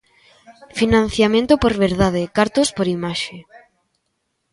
Financiamento por verdade, cartos por imaxe.